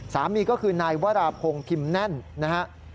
สามีก็คือนายวราพงคิมแน่นนะครับ